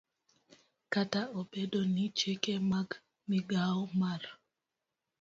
Kata obedo ni chike mag migao mar